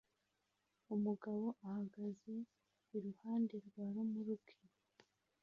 Umugabo ahagaze iruhande rwa romoruki